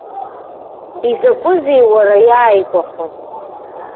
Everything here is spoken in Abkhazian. Изакәызеи, уара, иааигәахо?